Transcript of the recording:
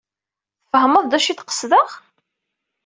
Tfehmeḍ d acu ay d-qesdeɣ?